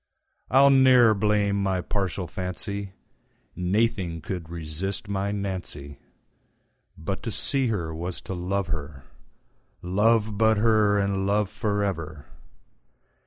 I'll ne'er blame my partial fancy, Naething could resist my Nancy:But to see her was to love her; Love but her, and love for ever.